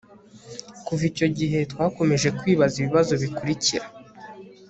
kuva icyo gihe twakomeje kwibaza ibibazo bikurikira